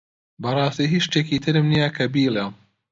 بەڕاستی هیچ شتێکی ترم نییە کە بیڵێم.